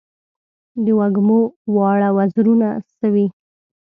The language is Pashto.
د وږمو واړه وزرونه سوی